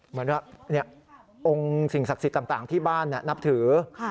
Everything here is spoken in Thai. เหมือนว่าองค์สิ่งศักดิ์สิทธิ์ต่างที่บ้านนับถือ